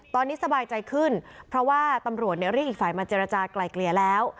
ตอนนี้สบายใจขึ้นเพราะว่าตำรวจเรียกอีกฝ่ายมาเจรจากลายเกลี่ยแล้ว